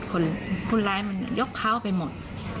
คนร้ายมันยกเท้าไปหมด